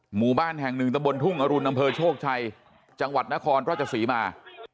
หมู่บ้านแห่งหนึ่งตะบนทุ่งอรุณอำเภอโชคชัยจังหวัดนครราชศรีมา